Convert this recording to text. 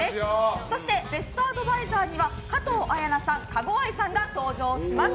そして、ベストアドバイザーには加藤綾菜さん加護亜依さんが登場します。